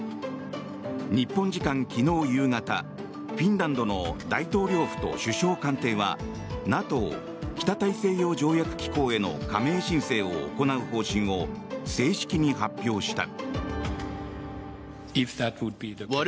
日本時間昨日夕方フィンランドの大統領府と首相官邸はＮＡＴＯ・北大西洋条約機構への加盟申請を行う方針を正式に発表した。